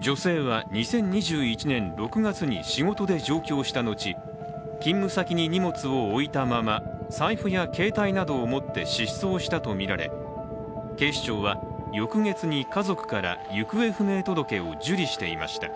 女性は２０２１年６月に仕事で上京した後、勤務先に荷物を置いたまま、財布や携帯などを持って失踪したとみられ警視庁は翌月に家族から行方不明届を受理していました。